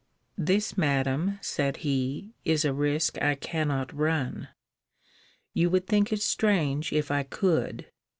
This, Madam, said he, is a risque I cannot run. You would think it strange if I could.